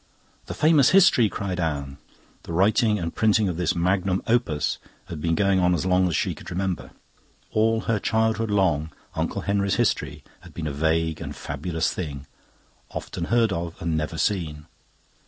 "The famous History?" cried Anne. The writing and the printing of this Magnum Opus had been going on as long as she could remember. All her childhood long Uncle Henry's History had been a vague and fabulous thing, often heard of and never seen.